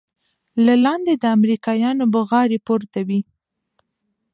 له لاندې د امريکايانو بوغارې پورته وې.